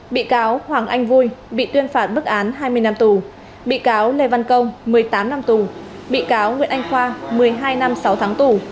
bị cáo hoàng anh vui bị tuyên phạt bức án hai mươi năm tù bị cáo lê văn công một mươi tám năm tù bị cáo nguyễn anh khoa một mươi hai năm sáu tháng tù